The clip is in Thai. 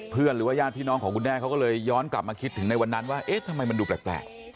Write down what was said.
หรือว่าญาติพี่น้องของคุณแด้เขาก็เลยย้อนกลับมาคิดถึงในวันนั้นว่าเอ๊ะทำไมมันดูแปลก